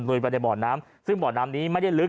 ไปในบ่อน้ำซึ่งบ่อน้ำนี้ไม่ได้ลึก